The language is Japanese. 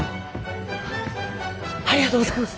ありがとうございます！